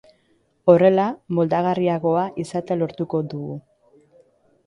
Horrela, moldagarriagoa izatea lortuko dugu.